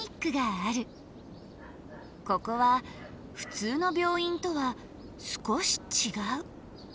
ここはふつうの病院とは少し違う。